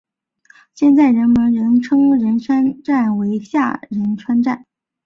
现在人们仍称仁川站为下仁川站。